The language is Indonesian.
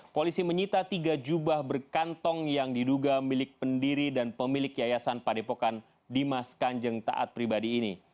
polisi menyita tiga jubah berkantong yang diduga milik pendiri dan pemilik yayasan padepokan dimas kanjeng taat pribadi ini